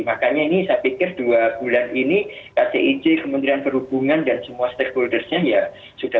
makanya ini saya pikir dua bulan ini kcic kementerian perhubungan dan semua stakeholdersnya ya sudah